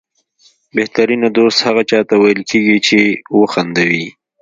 بهترینه دوست هغه چاته ویل کېږي چې وخندوي.